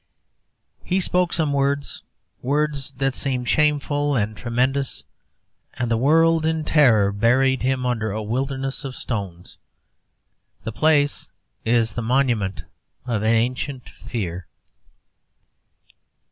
He spoke some words words that seemed shameful and tremendous and the world, in terror, buried him under a wilderness of stones. The place is the monument of an ancient fear.